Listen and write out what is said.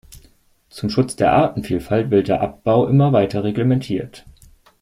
Zum Schutz der Artenvielfalt wird der Abbau immer weiter reglementiert.